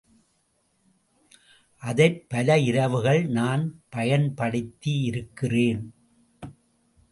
அதைப் பல இரவுகள் நான் பயன்படுத்தியிருக்கிறேன்.